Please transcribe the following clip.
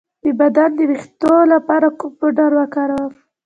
د بدن د ویښتو لپاره کوم پوډر وکاروم؟